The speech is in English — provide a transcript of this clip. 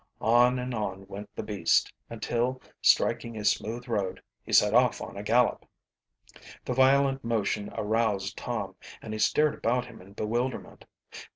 On and on went the beast, until striking a smooth road he set off on a gallop. The violent motion aroused Tom, and he stared about him in bewilderment.